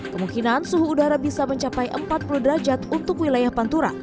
kemungkinan suhu udara bisa mencapai empat puluh derajat untuk wilayah pantura